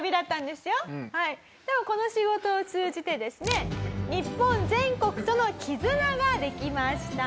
でもこの仕事を通じてですね日本全国との絆ができました。